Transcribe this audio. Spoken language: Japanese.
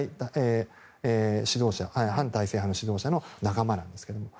反体制派の指導者の仲間なんですけども。